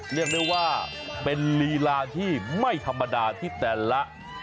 เรียกได้ว่าเป็นลีลาที่ไม่ธรรมดาที่แต่ละ